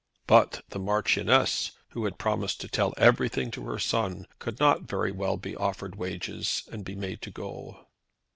But the Marchioness, who had promised to tell everything to her son, could not very well be offered wages and be made to go.